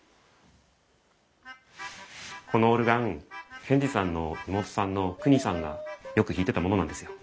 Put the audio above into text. このオルガン賢治さんの妹さんのクニさんがよく弾いてたものなんですよ。